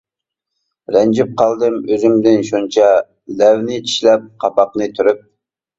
رەنجىپ قالدىم ئۆزۈمدىن شۇنچە، لەۋنى چىشلەپ، قاپاقنى تۈرۈپ.